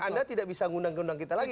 anda tidak bisa mengundang keundang kita lagi